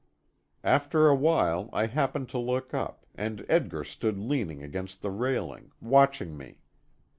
After a while I happened to look up, and Edgar stood leaning against the railing, watching me.